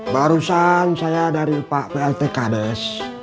barusan saya dari pak plt kades